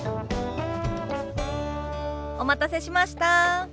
お待たせしました。